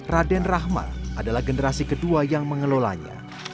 raden rahma adalah generasi kedua yang mengelolanya